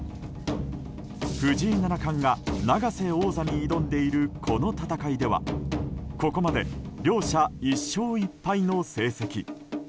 藤井七冠が永瀬王座に挑んでいるこの戦いではここまで両者１勝１敗の成績。